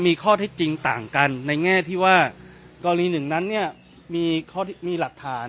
มีข้อเท็จจริงต่างกันในแง่ที่ว่ากรณีหนึ่งนั้นเนี่ยมีหลักฐาน